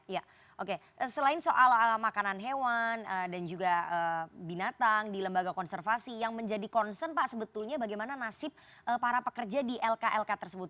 ya oke selain soal makanan hewan dan juga binatang di lembaga konservasi yang menjadi concern pak sebetulnya bagaimana nasib para pekerja di lklk tersebut